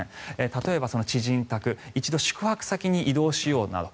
例えば、知人宅一度宿泊先に移動しようなど。